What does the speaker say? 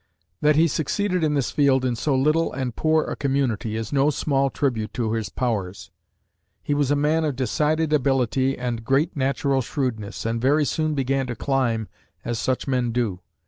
That he succeeded in this field in so little and poor a community is no small tribute to his powers. He was a man of decided ability and great natural shrewdness, and very soon began to climb, as such men do.